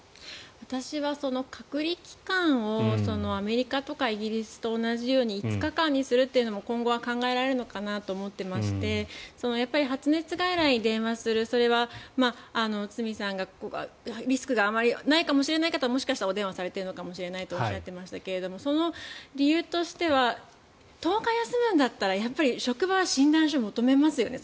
私は隔離期間をアメリカとかイギリスと同じように５日間にするというのも今後は考えられるのかなと思っていましてやっぱり発熱外来に電話するそれは堤さんがリスクがあまりないかもしれない方がもしかしたらお電話されてるのかもしれないとおっしゃっていましたがその理由としては１０日休むなら職場は診断書を求めますよね